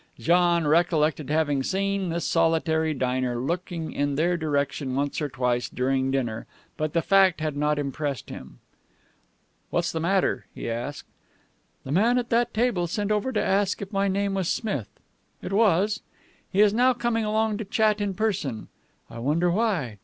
John, recollected having seen this solitary diner looking in their direction once or twice during dinner, but the fact had not impressed him. "What's the matter?" he asked. "The man at that table sent over to ask if my name was Smith. It was. He is now coming along to chat in person. I wonder why.